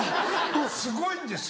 すごいんですよ。